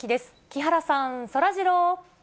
木原さん、そらジロー。